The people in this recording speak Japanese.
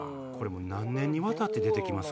何年にわたって出て来ます？